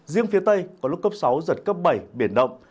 riêng phía tây có lúc cấp sáu giật cấp bảy biển động